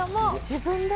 自分で？